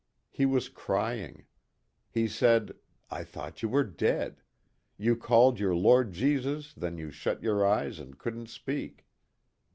He was crying. He said ' I thought you were dead. You called your Lord Jesus, then you shut your eyes and couldn't speak.'